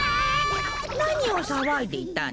なにをさわいでいたの？